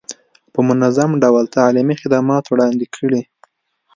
په منظم ډول تعلیمي خدمات وړاندې کړي.